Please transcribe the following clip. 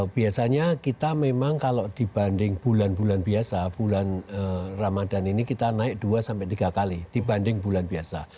biasanya kita memang kalau dibanding bulan bulan biasa bulan ramadhan ini kita naik dua sampai tiga kali dibanding bulan biasa